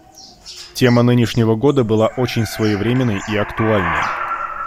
Тема нынешнего года была очень своевременной и актуальной.